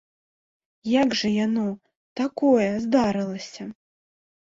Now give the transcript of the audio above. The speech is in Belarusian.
Як жа яно, такое, здарылася?